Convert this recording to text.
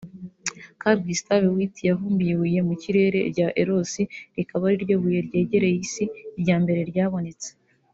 Carl Gustav Witt yavumbuye ibuye mu kirere rya Eros rikaba ariryo buye ryegereye isi rya mbere ryabonetse